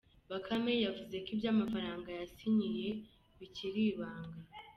Bakame yavuze ko iby’amafaranga yasinyiye bikiri ibanga.